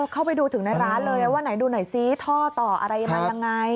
เข้าไปดูถึงในร้านเลยว่าไหนดูหน่อยซิท่อต่ออะไรมันยังไง